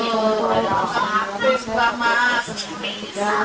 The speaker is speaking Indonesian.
ada seluruh anak yang lagi